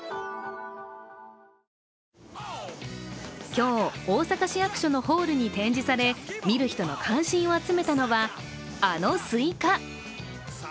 今日、大阪市役所のホールに展示され、見る人の関心を集めたのは、あのスイカ。